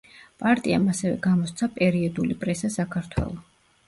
პარტიამ ასევე გამოსცა პერიოდული პრესა „საქართველო“.